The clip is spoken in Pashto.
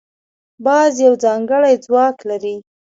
باز یو ځانګړی ځواک لري